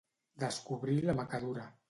Descobrir la macadura.